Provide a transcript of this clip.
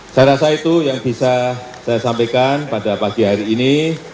saya rasa itu yang bisa saya sampaikan pada pagi hari ini